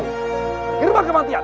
ke gerbang kemantian